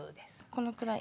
このくらい？